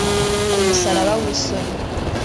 Ku musaraba w’isoni